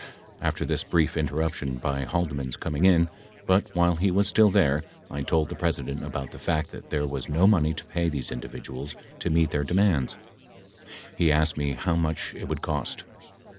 After this brief interrup tion by Haldeman's coming in, but while he was still there I told the President about the fact that there was no money to pay these individuals to meet their demands. He asked me how much it would cost.